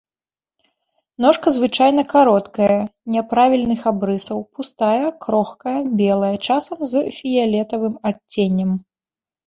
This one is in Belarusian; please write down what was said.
Ножка звычайна кароткая, няправільных абрысаў, пустая, крохкая, белая, часам з фіялетавым адценнем.